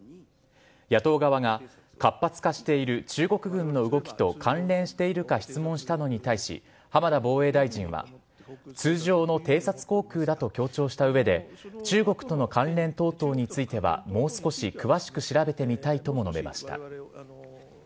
野党側が活発化している中国軍の動きと関連しているか質問したのに対し、浜田防衛大臣は、通常の偵察航空だと強調したうえで、中国との関連等々についてはもう少し詳しく調べてみたいとも述べました。